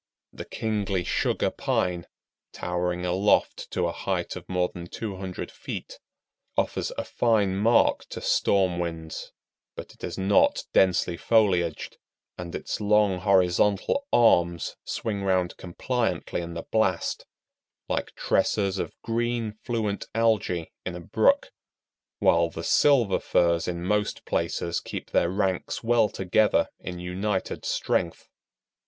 The kingly Sugar Pine, towering aloft to a height of more than 200 feet, offers a fine mark to storm winds; but it is not densely foliaged, and its long, horizontal arms swing round compliantly in the blast, like tresses of green, fluent algae in a brook; while the Silver Firs in most places keep their ranks well together in united strength.